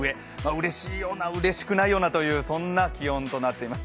うれしいようなうれしくないようなそんな気温となっています。